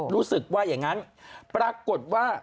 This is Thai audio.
รู้สึกว่าอย่างนั้นปรากฏว่า